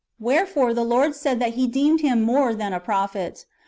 Wherefore the Lord said that He deemed him *^more than a prophet."